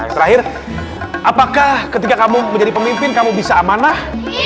terakhir apakah ketika kamu menjadi pemimpin kamu bisa amanah